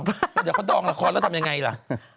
เดี๋ยวเขาดองละครแล้วทำยังไงล่ะ